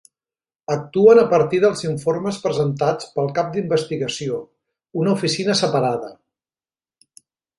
Actuen a partir dels informes presentats pel cap d'investigació, una oficina separada.